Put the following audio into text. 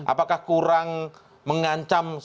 apakah kurang mengancam